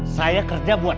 saya kerja buat